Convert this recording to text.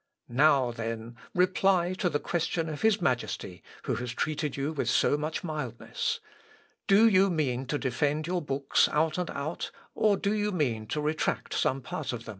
Now, then, reply to the question of his Majesty, who has treated you with so much mildness. Do you mean to defend your books out and out, or do you mean to retract some part of them?"